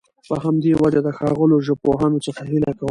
په همدي وجه د ښاغلو ژبپوهانو څخه هيله کوم